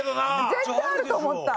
絶対あると思った。